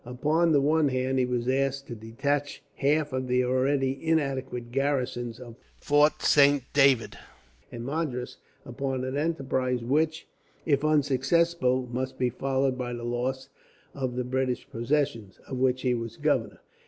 Upon the one hand, he was asked to detach half of the already inadequate garrisons of Fort Saint David and Madras upon an enterprise which, if unsuccessful, must be followed by the loss of the British possessions, of which he was governor.